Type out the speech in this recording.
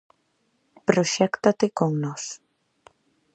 Proxéctate con nós.